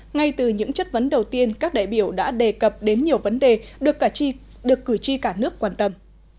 ngay từ những chất vấn đầu tiên các đại biểu đã đề cập đến nhiều vấn đề được cử tri cả nước quan tâm